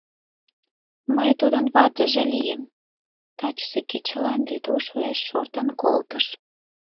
— Мый тудын ватыже лийым... — тачысе кечылан Лидуш уэш шортын колтыш.